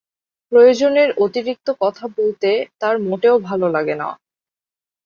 প্রয়োজনের অতিরিক্ত কথা বলতে তার মোটেও ভালো লাগে না।